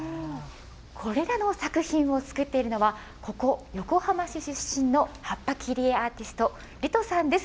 これらの作品を作っているのは、ここ、横浜市出身の葉っぱ切り絵アーティスト、リトさんです。